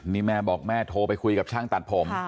นี่แม่บอกแม่โทรไปคุยกับช่างตัดผม